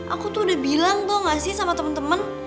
aku tuh udah bilang tuh gak sih sama temen temen